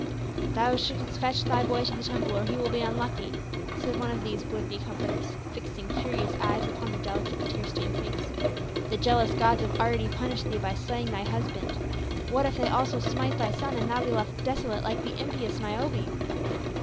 "Thou shouldst fetch thy boy to the temple, or he will be unlucky," said one of these would be com forters, fixing curious eyes upon the delicate tear stained face ; "the jealous gods have already punished thee by slaying thy husband, what if they also smite thy son and thou be left desolate, like the impious Niobe?"